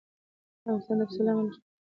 افغانستان د پسه له امله شهرت لري.